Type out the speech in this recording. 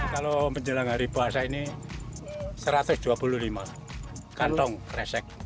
kalau menjelang hari puasa ini satu ratus dua puluh lima kantong kresek